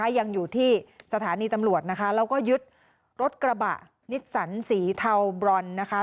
ยังอยู่ที่สถานีตำรวจนะคะแล้วก็ยึดรถกระบะนิสสันสีเทาบรอนนะคะ